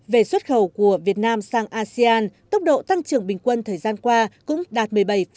về xuất khẩu của việt nam sang asean tốc độ tăng trưởng bình quân thời gian qua cũng đạt một mươi bảy tám